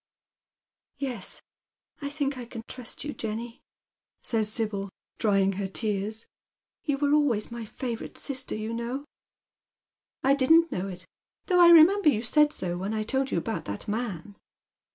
" Yes, I think I can trust you, Jenny," says Sibyl, drying her tears. " You were always my favourite sister, you know." "I didn't know it, though I remember you said so when I told you about that man."